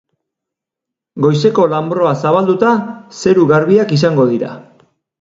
Goizeko lanbroa zabalduta, zeru garbiak izango dira.